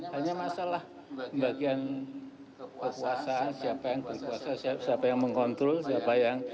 hanya masalah pembagian kekuasaan siapa yang berkuasa siapa yang mengontrol siapa yang